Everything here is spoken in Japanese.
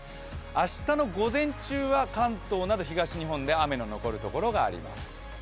明日の午前中は関東など東日本で雨の残るところがあります。